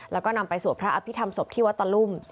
แล้วก็นำไปสวดพระอภิษฐรรมศพที่วัดตะลุ่ม